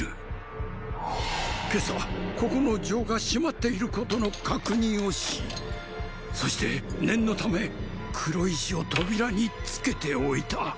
今朝ここの錠が閉まっていることの確認をしそして念のため黒石を扉につけて置いた。